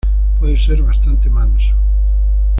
Puede ser bastante manso.